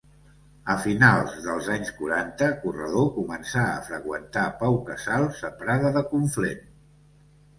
A finals dels anys quaranta, Corredor començà a freqüentar Pau Casals a Prada de Conflent.